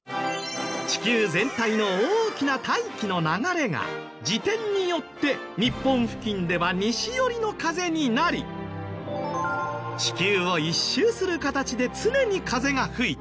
地球全体の大きな大気の流れが自転によって日本付近では西寄りの風になり地球を一周する形で常に風が吹いている。